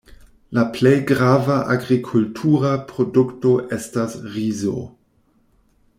La plej grava agrikultura produkto estas rizo.